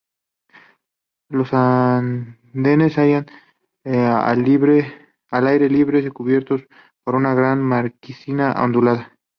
Los andenes se hallan al aire libre, cubiertos por una gran marquesina ondulada.